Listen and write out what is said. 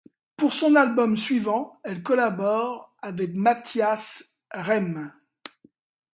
Pour son album suivant, elle collabore avec Matthias Reim.